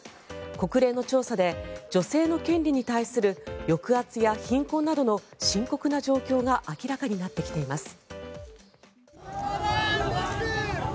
国連の調査で女性の権利に対する抑圧や貧困などの深刻な状況が明らかになってきています。